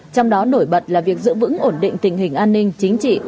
trong đó nổi bật là việc giữ vững ổn định tình hình an ninh chính trị